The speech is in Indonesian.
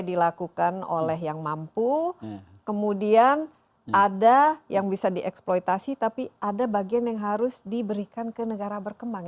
dilakukan oleh yang mampu kemudian ada yang bisa dieksploitasi tapi ada bagian yang harus diberikan ke negara berkembang